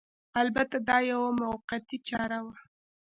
البته دا یوه موقتي چاره وه